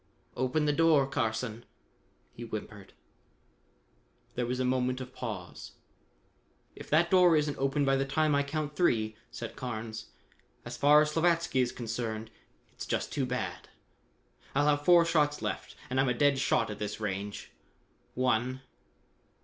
"Open the door, Carson," he whimpered. There was moment of pause. "If that door isn't open by the time I count three," said Carnes, " as far as Slavatsky is concerned, it's just too bad. I'll have four shots left and I'm a dead shot at this range. One!